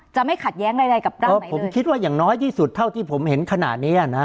ไม่ขัดแย้งใดกับเราเออผมคิดว่าอย่างน้อยที่สุดเท่าที่ผมเห็นขนาดเนี้ยนะ